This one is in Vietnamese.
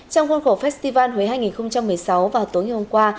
trong khuôn khổ festival huế hai nghìn một mươi sáu vào tối ngày hôm qua